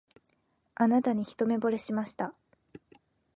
あなたに一目ぼれしました